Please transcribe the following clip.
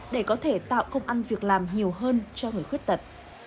để có thể tạo công ăn việc làm nhiều hơn cho người khuyết tật